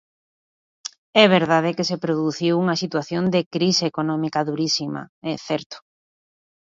É verdade que se produciu unha situación de crise económica durísima, é certo.